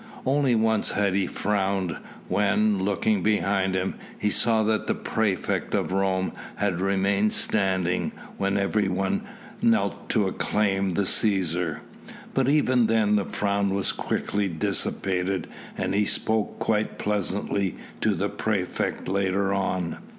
Only once had he frowned, when, looking behind him, he saw that the praefect of Rome had remained standing when everyone knelt to acclaim the Cæsar. But even then the frown was quickly dissipated and he spoke quite pleasantly to the praefect later on.